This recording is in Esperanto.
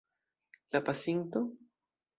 La pasinto?